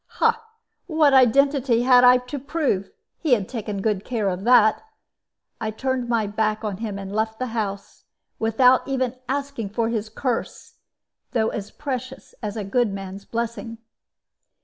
"What identity had I to prove? He had taken good care of that. I turned my back on him and left the house, without even asking for his curse, though as precious as a good man's blessing.